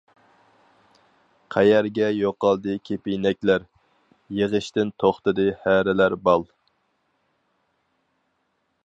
قەيەرگە يوقالدى كېپىنەكلەر، يىغىشتىن توختىدى ھەرىلەر بال.